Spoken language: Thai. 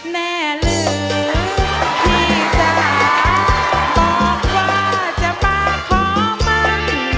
แน่ลืมที่จะบอกว่าจะมาขอมั่น